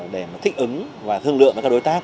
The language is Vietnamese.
để mà thích ứng và thương lượng với các đối tác